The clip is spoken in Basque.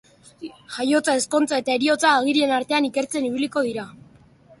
Jaiotza, ezkontza eta heriotza agirien artean ikertzen ibiliko dira.